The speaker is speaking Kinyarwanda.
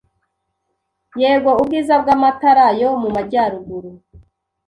Yego, ubwiza bwamatara yo mumajyaruguru